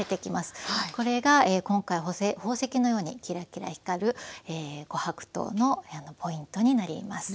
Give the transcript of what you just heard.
これが今回宝石のようにキラキラ光る琥珀糖のポイントになります。